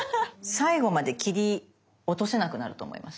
最後まで切り落とせなくなると思います。